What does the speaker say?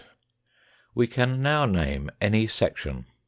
t We can now name any section.